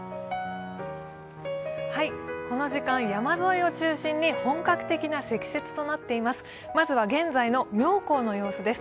この時間、山沿いを中心に本格的な積雪となっています。